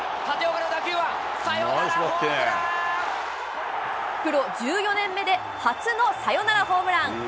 立岡の打球は、プロ１４年目で初のサヨナラホームラン。